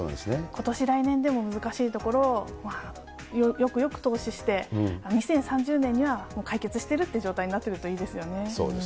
ことし、来年でも難しいところを、よくよくとうしして、２０３０年には解決してるって状態になってそうですね。